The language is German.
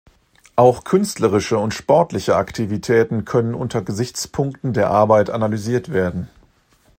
Auch künstlerische und sportliche Aktivitäten können unter Gesichtspunkten der Arbeit analysiert werden.